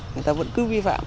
người ta vẫn cứ vi phạm